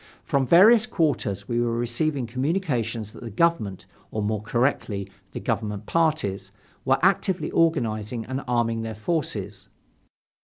From various quarters we were receiving communications that the government, or more correctly, the government parties, were actively organizing and arming their forces.